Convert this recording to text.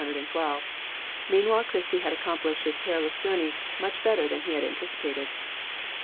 Meanwhile Christie had accomplished his perilous journey much better than he had anticipated.